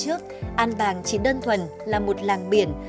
trước an bàng chỉ đơn thuần là một làng biển